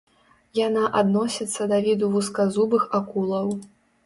Яна адносіцца да віду вузказубых акулаў.